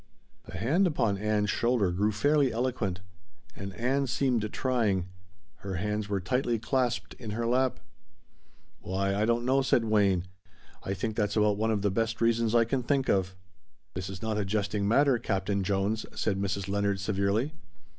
'" The hand upon Ann's shoulder grew fairly eloquent. And Ann seemed trying. Her hands were tightly clasped in her lap. "Why, I don't know," said Wayne, "I think that's about one of the best reasons I can think of." "This is not a jesting matter, Captain Jones," said Mrs. Leonard severely.